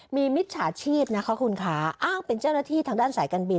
มีมิจฉาชีพนะคะคุณค่ะอ้างเป็นเจ้าหน้าที่ทางด้านสายการบิน